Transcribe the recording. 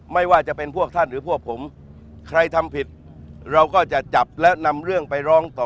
ไม่ว่าจะเป็นพวกท่านหรือพวกผมใครทำผิดเราก็จะจับและนำเรื่องไปร้องต่อ